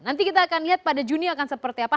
nanti kita akan lihat pada juni akan seperti apa